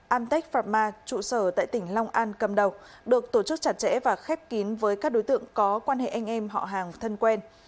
amtech frama trụ sở tại tỉnh long an cầm đầu được tổ chức chặt chẽ và khép kín với các đối tượng có quan hệ anh em họ hàng thân quen